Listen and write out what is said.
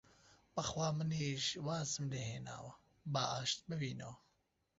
بەخوا منیش وازم لێ هێناوە، با ئاشت بینەوە!